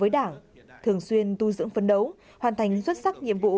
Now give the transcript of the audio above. đảng thường xuyên tu dưỡng phấn đấu hoàn thành xuất sắc nhiệm vụ